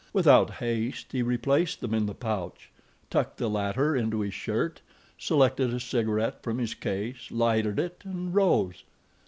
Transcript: Without haste, he replaced them in the pouch, tucked the latter into his shirt, selected a cigaret from his case, lighted it and rose.